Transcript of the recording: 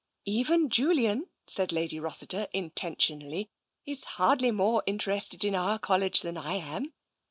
Even Julian," said Lady Rossiter intentionally, " is hardly more interested in our College than I am.